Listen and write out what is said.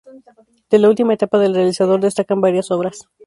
De la última etapa del realizador, destacan varias obras.